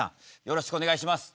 よろしくお願いします。